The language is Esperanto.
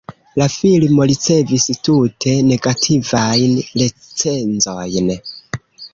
La filmo ricevis tute negativajn recenzojn.